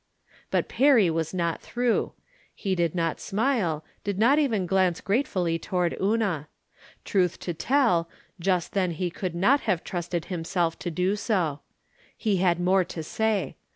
But Perry was not through. He did not smile, did not even glance gratefully toward Una. 278 From Different Standpoints. Truth to tell, just tlien he could not have trusted himself to do so. He had more to say.